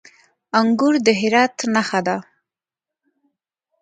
انګور د هرات نښه ده.